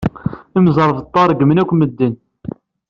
Imẓerbeḍḍa reggmen akk medden.